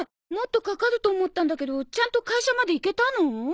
もっとかかると思ったんだけどちゃんと会社まで行けたの？